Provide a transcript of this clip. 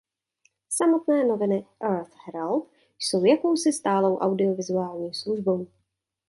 Samotné noviny "Earth Herald" jsou jakousi stálou audiovizuální službou.